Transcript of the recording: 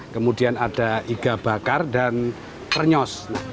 kemudian ada iga bakar dan krenyos